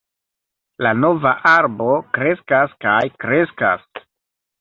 La nova arbo kreskas kaj kreskas.